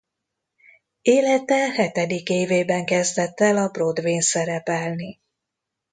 Élete hetedik évében kezdett el a Broadway-en szerepelni.